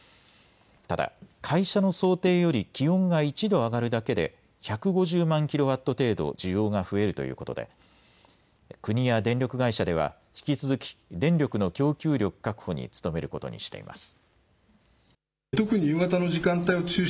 ただ会社の想定より気温が１度上がるだけで１５０万キロワット程度需要が増えるということで国や電力会社では引き続き電力の供給力確保に努めることにしています。